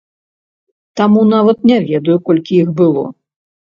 Таму нават не ведаю, колькі іх было.